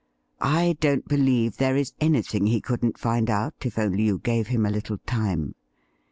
I don't believe there is anything he couldn't find out if only you gave him a little time.